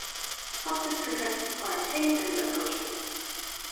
Tufted coquettes are tame and approachable.